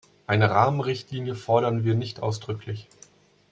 Eine Rahmenrichtlinie fordern wir nicht ausdrücklich.